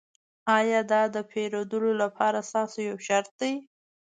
ایا دا د پیرودلو لپاره ستاسو یو شرط دی